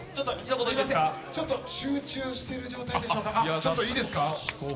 ちょっと集中してる状態でしょうか？